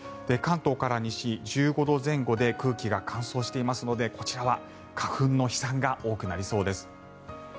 関東から西、１５度前後で空気が乾燥していますのでこちらは花粉の飛散が多くなりそうです。